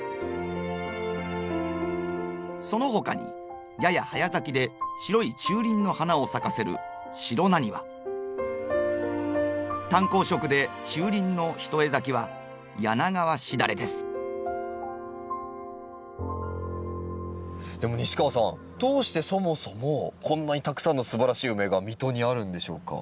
そのほかにやや早咲きで白い中輪の花を咲かせる淡紅色で中輪の一重咲きはでも西川さんどうしてそもそもこんなにたくさんのすばらしいウメが水戸にあるんでしょうか？